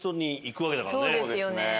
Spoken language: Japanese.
そうですね。